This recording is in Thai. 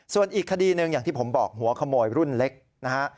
ส่วนอีกคดีหนึ่งอย่างที่ผมบอกหัวขโมยรุ่นเล็กนะฮะ